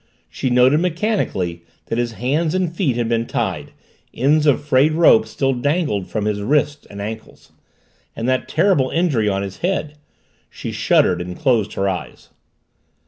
She noted mechanically that his hands and feet had been tied, ends of frayed rope still dangled from his wrists and ankles. And that terrible injury on his head! She shuddered and closed her eyes.